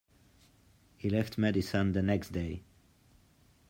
He left Madison the next day.